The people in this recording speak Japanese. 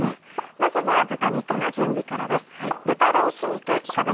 まずは豚肉の準備からです。